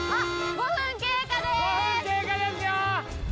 ５分経過ですよ！